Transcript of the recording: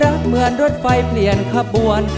เป็นรักเหมือนรถไฟเปลี่ยนข้าบวน